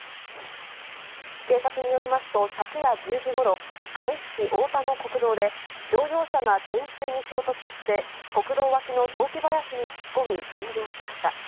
警察によりますと、昨夜１０時ごろ、神栖市太田の国道で、乗用車が電柱に衝突して、国道脇の雑木林に突っ込み、炎上しました。